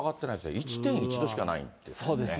１．１度しかないんですね。